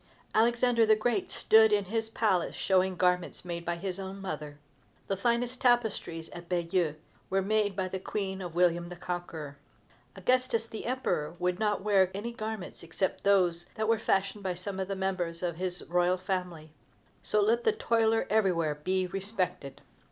Alexander the Great stood in his palace showing garments made by his own mother. The finest tapestries at Bayeux were made by the Queen of William the Conqueror. Augustus the Emperor would not wear any garments except those that were fashioned by some member of his royal family. So let the toiler everywhere be respected!